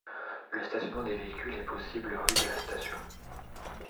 Le stationnement des véhicules est possible rue de la station.